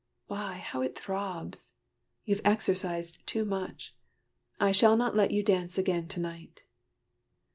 Why, how it throbs! you've exercised too much! I shall not let you dance again to night."